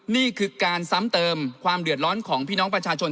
นี่คือการซ้ำเติมความเดือดร้อนของพี่น้องประชาชน